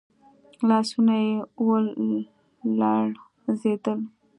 لاسونه يې ولړزېدل.